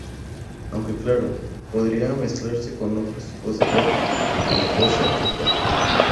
Aunque claro, podría mezclarse con otros tipos de carne, como caza y pato.